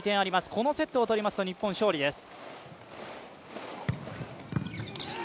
このセットを取りますと日本、勝利です。